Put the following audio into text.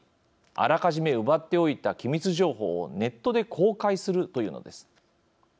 あらかじめ奪っておいた機密情報をネットで公開するというのです。